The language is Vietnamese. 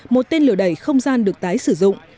một tên lửa đẩy không gian được tái sử dụng